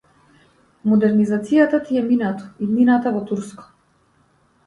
Модернизацијата ти е минато, иднината во турско.